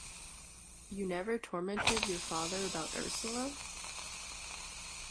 You never tormented your father about Ursula?